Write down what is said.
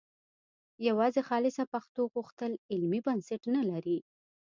یوازې خالصه پښتو غوښتل علمي بنسټ نه لري